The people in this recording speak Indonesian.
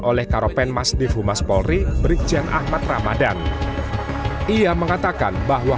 oleh karopen masnif humas polri berikjan ahmad ramadan ia mengatakan bahwa